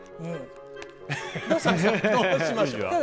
どうしましょ。